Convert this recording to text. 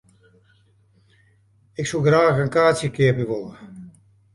Ik soe graach in kaartsje keapje wolle.